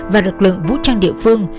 và lực lượng vũ trang địa phương